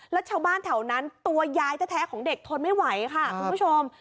แล้วชาวบ้านแถวนั้นตัวยายแท้ของเด็กทนไม่ไหวค่ะคุณผู้ชม